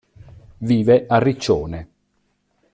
Vive a Riccione.